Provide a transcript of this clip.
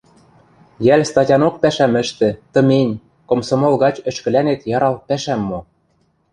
Йӓл статянок пӓшӓм ӹштӹ, тымень, комсомол гач ӹшкӹлӓнет ярал пӓшӓм мо